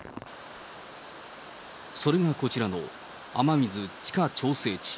それがこちらの雨水地下調整池。